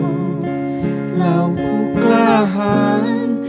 เราผู้กล้าหา